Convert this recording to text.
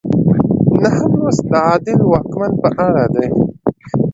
نهم لوست د عادل واکمن په اړه دی.